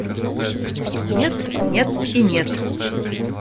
Нет, нет и нет.